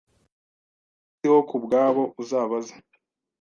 Sindiho kubwabo uzabaze